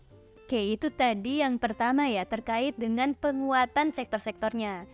oke itu tadi yang pertama ya terkait dengan penguatan sektor sektornya